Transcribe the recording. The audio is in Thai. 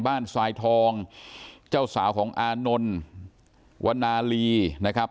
บ้านสายทองเจ้าสาวของอานนท์วรรณาลีนะครับ